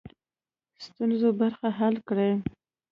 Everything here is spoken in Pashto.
ستونزو برخه حل کړي.